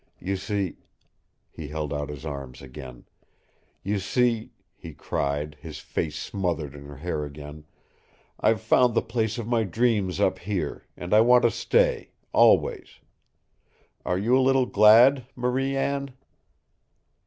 You see " He held out his arms again. "You see," he cried, his face smothered in her hair again, "I've found the place of my dreams up here, and I want to stay always. Are you a little glad, Marie Anne?"